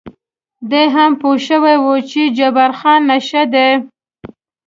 دی هم پوه شوی و چې جبار خان نشه دی.